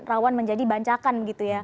rawan menjadi bancakan